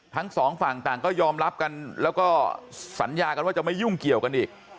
ทั้งสองฝั่งต่างก็ยอมรับกันแล้วก็สัญญากันว่าจะไม่ยุ่งเกี่ยวกันอีก